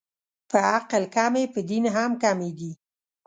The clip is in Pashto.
په عقل کمې، په دین هم کمې دي